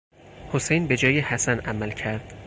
حسین به جای حسن عمل کرد.